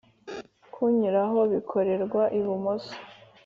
Kunyuranaho bikorerwa ibumoso